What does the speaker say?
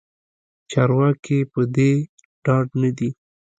چارواکې پدې ډاډه ندي